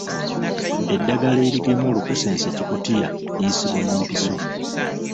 Eddagala erigema Olukusense-Kikutiya liyisibwa mu mpiso.